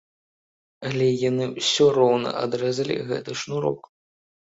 Але яны ўсё роўна адрэзалі гэты шнурок.